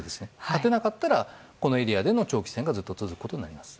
勝てなかったらこのエリアでの長期戦がずっと続くことになると思います。